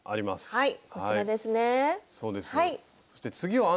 はい。